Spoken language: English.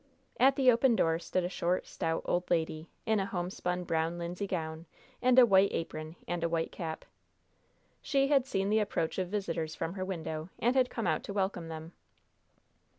At the open door stood a short, stout old lady, in a homespun brown linsey gown, a white apron, and a white cap. She had seen the approach of visitors from her window, and had come out to welcome them.